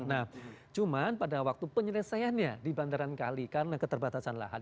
nah cuman pada waktu penyelesaiannya di bandaran kali karena keterbatasan lahan